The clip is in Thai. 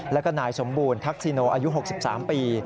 แล้วก็นายสมบูรณ์ทักษิโนอายุ๖๓ปี